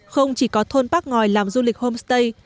không chỉ có thôn bác ngòi làm du lịch homestay